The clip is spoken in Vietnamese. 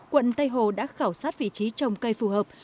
quận tây hồ đã khảo sát vị trí trồng cây phù hợp